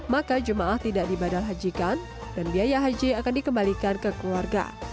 maka jemaah tidak dibadal hajikan dan biaya haji akan dikembalikan ke keluarga